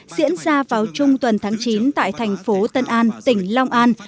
diễn ra vào trung tuần tháng chín tại thành phố tân an tỉnh long an